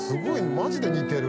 マジで似てる。